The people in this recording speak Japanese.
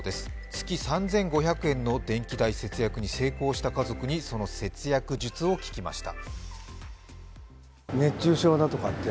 月３５００円の電気代節約に成功した家庭にその節約術を聞きました。